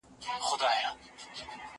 زه لیکل نه کوم؟!